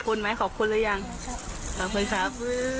คุณไหมขอบคุณหรือยังขอบคุณครับ